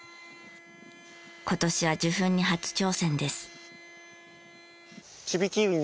今年は受粉に初挑戦です。